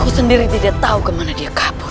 aku sendiri tidak tahu kemana dia kabur